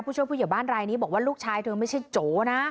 ช่วยผู้ใหญ่บ้านรายนี้บอกว่าลูกชายเธอไม่ใช่โจนะ